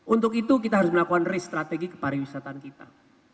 untuk itu kita harus melakukan risk strategi ke pariwisataan kita